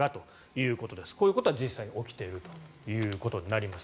こういうことが実際に起きているということです。